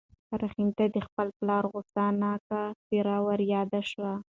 رحیم ته د خپل پلار غوسه ناکه څېره وریاده شوه.